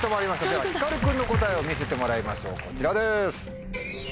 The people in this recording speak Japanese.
ひかる君の答えを見せてもらいましょうこちらです。